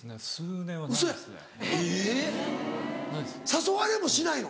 誘われもしないの？